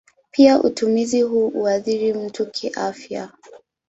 Pia utumizi huu huathiri mtu kiafya.